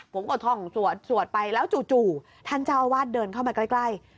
ผมก็ท่องสวดไปแล้วจู่ท่านเจ้าอาวาสเดินเข้ามาใกล้